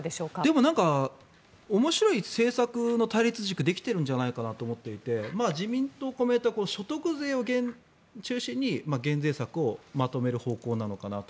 でもおもしろい政策の対立軸ができているのではと思っていて自民党、公明党は所得税を中心に減税策をまとめる方向なのかなと。